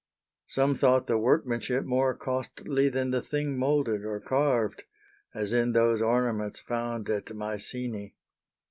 Some thought The workmanship more costly than the thing Moulded or carved, as in those ornaments Found at Mycaene.